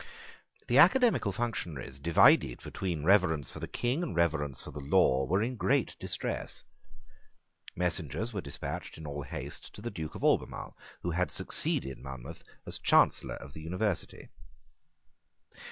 The academical functionaries, divided between reverence for the King and reverence for the law, were in great distress. Messengers were despatched in all haste to the Duke of Albemarle, who had succeeded Monmouth as Chancellor of the University.